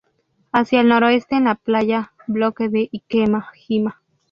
Hacia el noreste esta la playa bloque de Ikema-jima.